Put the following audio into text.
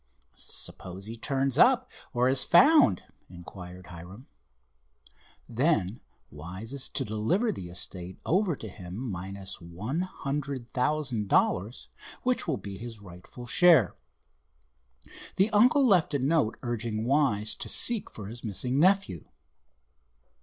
"Suppose he turns up or is found?" inquired Hiram. "Then Wise is to deliver the estate over to him minus one hundred thousand dollars, which will be his rightful share. The uncle left a note urging Wise to seek for his missing nephew."